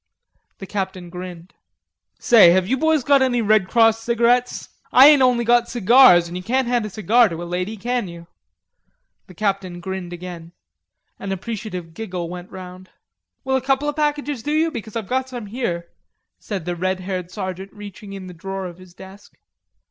The Captain grinned. "Say, have you boys got any Red Cross cigarettes? I ain't only got cigars, an' you can't hand a cigar to a lady, can you?" The Captain grinned again. An appreciative giggle went round. "Will a couple of packages do you? Because I've got some here," said the red haired sergeant reaching in the drawer of his desk.